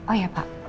oh ya pak